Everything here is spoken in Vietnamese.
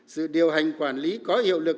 sự điều hành quản lý có hiệu lực